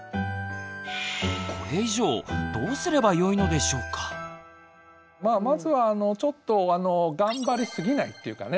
これ以上まあまずはちょっと頑張りすぎないっていうかね